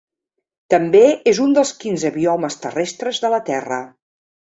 També és un dels quinze biomes terrestres de la terra.